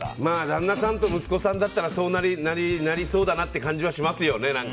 旦那さんと息子さんだったらそうなりそうだなという感じはしますよね。